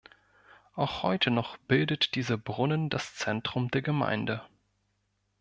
Auch heute noch bildet dieser Brunnen das Zentrum der Gemeinde.